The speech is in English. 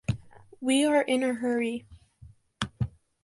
We are in a hurry.